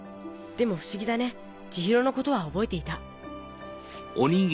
でも不思議だね千尋のことは覚えていた。